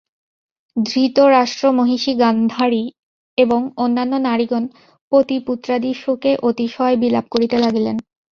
ধৃতরাষ্ট্র-মহিষী গান্ধারী এবং অন্যান্য নারীগণ পতিপুত্রাদির শোকে অতিশয় বিলাপ করিতে লাগিলেন।